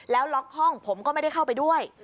แล้วล็อกห้องผมก็ไม่ได้เข้าไปด้วย